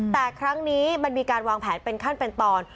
แต่ครั้งนี้มันมีการวางแผนเป็นขั้นเป็นตอน